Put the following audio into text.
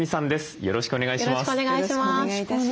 よろしくお願いします。